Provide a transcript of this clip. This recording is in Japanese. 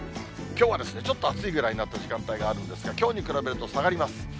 きょうはちょっと暑いぐらいになった時間帯があるんですが、きょうに比べると下がります。